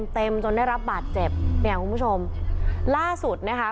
เต็มจนได้รับบาดเจ็บเนี่ยคุณผู้ชมล่าสุดนะคะ